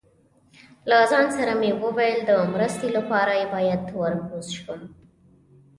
له ځان سره مې وویل، د مرستې لپاره یې باید ور کوز شم.